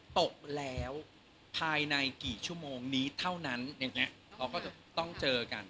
ตกแล้วภายในกี่ชั่วโมงนี้เท่านั้นเราก็ต้องเจอกัน